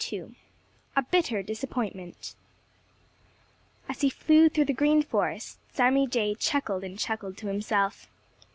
*II* *A BITTER DISAPPOINTMENT* As he flew through the Green Forest, Sammy Jay chuckled and chuckled to himself.